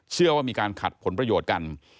เชื่อว่ามีการขัดผลประโยชน์กัน